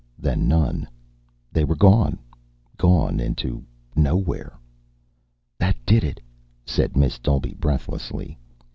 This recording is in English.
Then none. They were gone, gone into nowhere. "That did it," said Miss Dolby breathlessly.